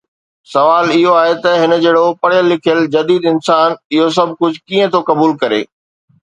سوال اهو آهي ته هن جهڙو پڙهيل لکيل جديد انسان اهو سڀ ڪجهه ڪيئن ٿو قبول ڪري؟